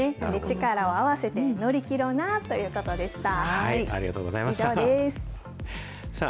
力を合わせて乗り切ろなということでした。